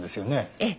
ええ。